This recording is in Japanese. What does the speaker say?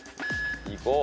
いこう。